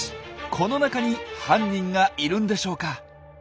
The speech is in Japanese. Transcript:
この中に犯人がいるんでしょうか？